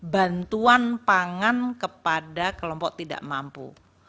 bantuan pangan kepada kelompok tidak mampu